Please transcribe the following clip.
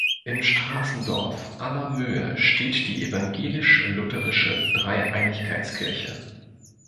Im Straßendorf Allermöhe steht die evangelisch-lutherische Dreieinigkeitskirche.